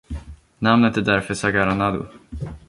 Namnet är därför Sagara Nadu.